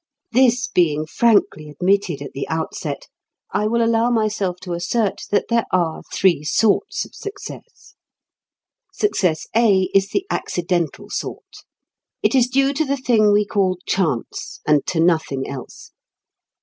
This being frankly admitted at the outset, I will allow myself to assert that there are three sorts of success. Success A is the accidental sort. It is due to the thing we call chance, and to nothing else.